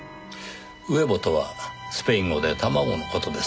ウエボとはスペイン語で卵の事です。